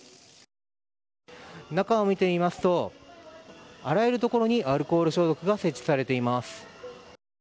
中を見てみますとあらゆるところにアルコール消毒が設置されています。